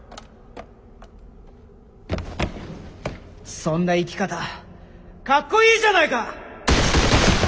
そんな生き方かっこいいじゃないか！